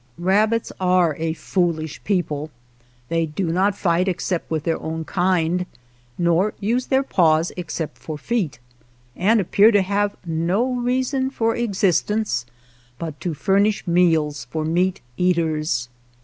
Rabbits are a fool ish people. They do not fight except with their own kind, nor use their paws except for feet, and appear to have no reason for .existence but to furnish meals for meat eaters.